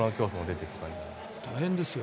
大変ですよ